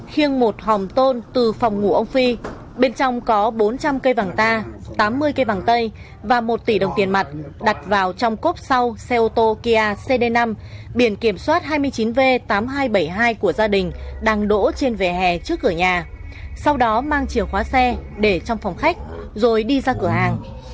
khiêng một hòm tôn từ phòng ngủ ông phi bên trong có bốn trăm linh cây vàng ta tám mươi cây vàng tây và một tỷ đồng tiền mặt đặt vào trong cốp sau xe ô tô kia cd năm biển kiểm soát hai mươi chín v tám nghìn hai trăm bảy mươi hai của gia đình đang đổ trên vẻ hè trước cửa nhà sau đó mang chìa khóa xe để trong phòng khách rồi đi ra cửa hàng